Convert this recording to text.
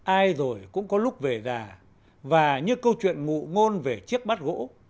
ai rồi cũng có lúc về già và như câu chuyện ngụ ngôn về chiếc bát gỗ